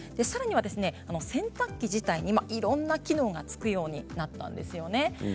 さらには洗濯機自体いろいろな機能が付くようになったんですよね。